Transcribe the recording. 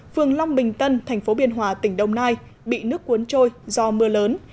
phường long bình tân thành phố biên hòa tỉnh đồng nai bị nước cuốn trôi do mưa lớn